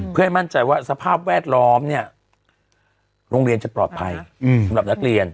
เพื่อให้มั่นใจว่าสภาพแวดล้อมเนี่ยโรงเรียนจะปลอดภัยสำหรับนักเรียน